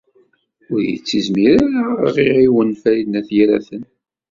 Ur yettizmir ara ad ɣ-iɛiwen Farid n At Yiraten.